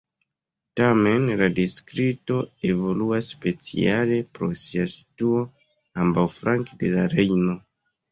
Tamen la distrikto evoluas speciale pro sia situo ambaŭflanke de la Rejno.